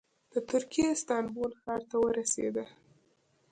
د ترکیې استانبول ښار ته ورسېده.